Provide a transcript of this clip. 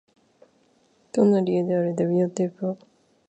どんな理由であれ、ビデオテープは発掘され、再放送されることになった